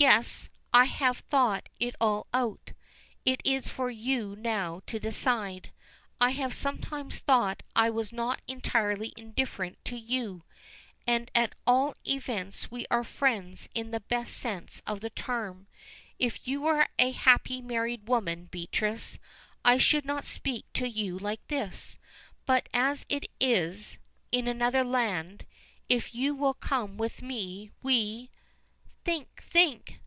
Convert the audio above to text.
"Yes; I have thought it all out. It is for you now to decide. I have sometimes thought I was not entirely indifferent to you, and at all events we are friends in the best sense of the term. If you were a happy married woman, Beatrice, I should not speak to you like this, but as it is in another land if you will come with me we " "Think, think!"